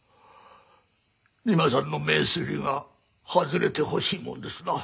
三馬さんの名推理が外れてほしいもんですな。